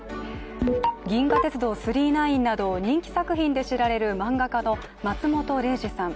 「銀河鉄道９９９」など人気作品で知られる漫画家の松本零士さん。